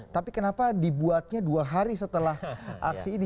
tapi kenapa dibuatnya dua hari setelah aksi ini